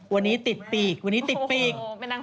วันนี้ติดปีกวันนี้ติดปีก